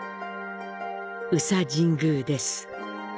宇佐神宮です。